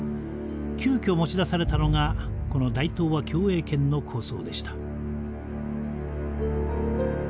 急遽持ち出されたのがこの大東亜共栄圏の構想でした。